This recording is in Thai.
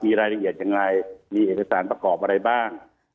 มีรายละเอียดอย่างไรมีเอกสารประกอบอะไรบ้าง